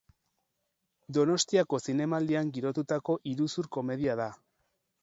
Donostiako Zinemaldian girotutako iruzur-komedia da.